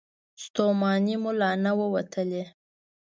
ستومني مو لا نه وه وتلې.